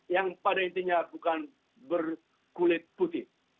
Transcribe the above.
yang pada intinya bukan berkulit putih